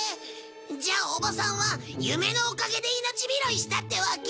じゃあおばさんは夢のおかげで命拾いしたってわけ？